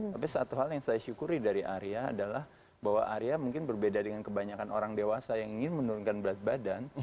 tapi satu hal yang saya syukuri dari arya adalah bahwa arya mungkin berbeda dengan kebanyakan orang dewasa yang ingin menurunkan berat badan